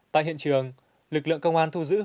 tại hiện trường lực lượng công an thu giữ